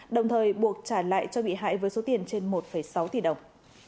đồng thời buộc trả lại cho bị hại với số tiền trên một sáu tỷ đồng